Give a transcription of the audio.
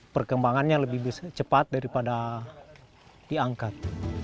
perkembangannya lebih cepat daripada diangkat